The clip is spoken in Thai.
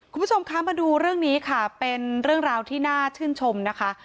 คุณผู้ชมคะมาดูเรื่องนี้ค่ะเป็นเรื่องราวที่น่าชื่นชมนะคะ